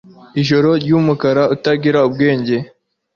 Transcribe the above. Ijoro ryumukara utagira ubwenge